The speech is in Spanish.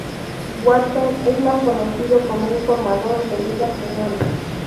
Watson es más conocido como un formador de ligas menores.